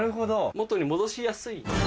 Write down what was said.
元に戻しやすい。